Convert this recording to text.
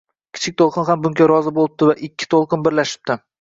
Kichik to‘lqin ham bunga rozi bo‘libdi va ikki to‘lqin birlashibdi